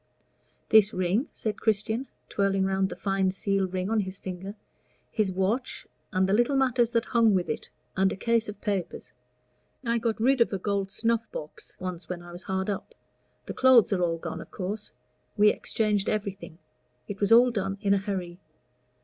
"This ring," said Christian, twirling round the fine seal ring on his finger, "his watch, and the little matters that hung with it, and a case of papers. I got rid of a gold snuff box once when I was hard up. The clothes are all gone, of course. We exchanged everything; it was all done in a hurry.